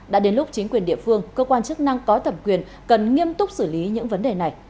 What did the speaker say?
đã đến lúc chính quyền địa phương cơ quan chức năng có thẩm quyền cần nghiêm túc xử lý những vấn đề này